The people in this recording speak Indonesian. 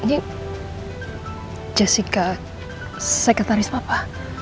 ini jessica sekretaris papa